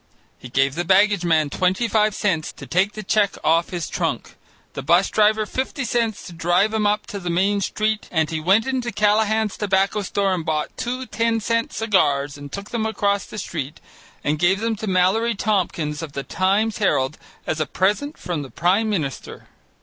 He gave the baggage man twenty five cents to take the check off his trunk, the 'bus driver fifty cents to drive him up to the Main Street, and he went into Callahan's tobacco store and bought two ten cent cigars and took them across the street and gave them to Mallory Tompkins of the Times Herald as a present from the Prime Minister.